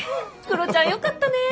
クロチャンよかったね。